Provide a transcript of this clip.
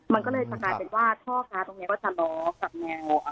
มันก็เลยค้าว่าเทาะค้าตรงนี้ก็จะโดรกกับแนว